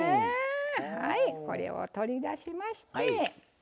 はいこれを取り出しましたよ。